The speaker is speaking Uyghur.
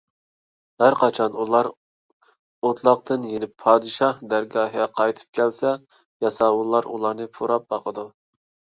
ھەرقاچان ئۇلار ئوتلاقتىن يېنىپ پادىشاھ دەرگاھىغا قايتىپ كەلسە، ياساۋۇللار ئۇلارنى پۇراپ باقىدۇ.